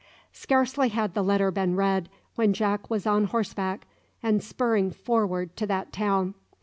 Scarcely had the letter been read, when Jack was on horseback, and spurring forward to that town.